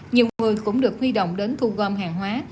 nhiều người cũng được huy động đến thu gom hàng hóa